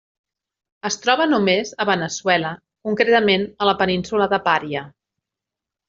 Es troba només a Veneçuela, concretament a la península de Pària.